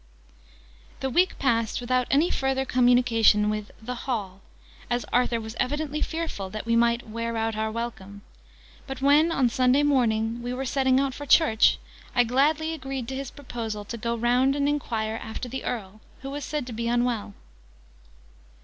The week passed without any further communication with the 'Hall,' as Arthur was evidently fearful that we might 'wear out our welcome'; but when, on Sunday morning, we were setting out for church, I gladly agreed to his proposal to go round and enquire after the Earl, who was said to be unwell.